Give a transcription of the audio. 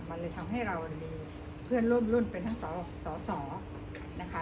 มันเลยทำให้เรามีเพื่อนร่วมรุ่นเป็นทั้งสอสอนะคะ